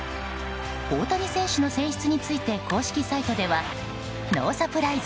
大谷選手の選出について公式サイトではノーサプライズ！